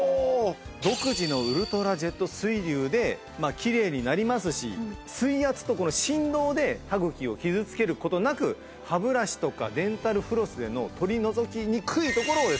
独自のウルトラジェット水流できれいになりますし水圧とこの振動で歯茎を傷つける事なく歯ブラシとかデンタルフロスでの取り除きにくいところをですね